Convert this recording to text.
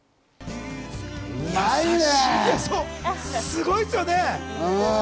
すごいっすよね！